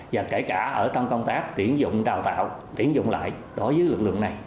và kể cả ở trong công tác tiến dụng đào tạo tiến dụng lại đối với lực lượng này